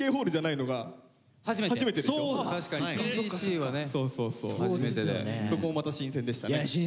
しかもねそこもまた新鮮でしたね。